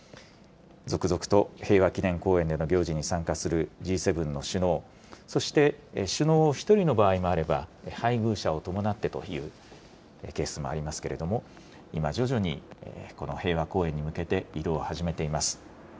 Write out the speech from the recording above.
続々と平和きねん公園の行事に参加するＧ７の首脳、そして首脳１人の場合もあれば、配偶者を伴ってというケースもありますけれども、今、徐々にこの平和公園に向けて移動を始めています。